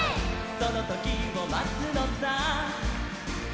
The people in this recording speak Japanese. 「そのときをまつのさ」